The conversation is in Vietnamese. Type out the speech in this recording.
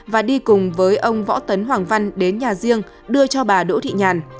và đi cùng với ông võ tấn hoàng văn đến nhà riêng đưa cho bà đỗ thị nhàn